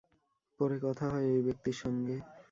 পরে কথা হয় ওই ব্যক্তির সঙ্গে।